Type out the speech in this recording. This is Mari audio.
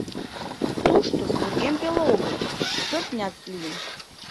Тушто вургем пеле огыл, шӧртнят лийын.